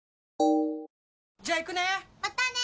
じゃあ行くね！